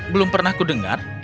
belum pernah ku dengar